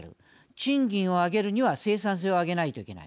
賃金を上げるには生産性を上げないといけない。